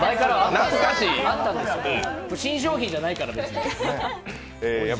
新商品じゃないから、別に。